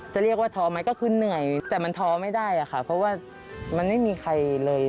จะเรียกว่าท้อไหมก็คือเหนื่อยแต่มันท้อไม่ได้อะค่ะเพราะว่ามันไม่มีใครเลย